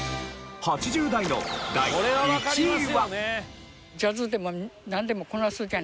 ８０代の第１位は。